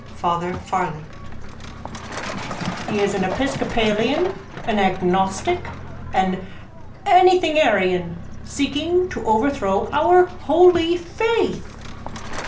_ FATHER FARLEY: He is an episcopalian, an agnostic, an anythingarian seeking to overthrow our holy faith.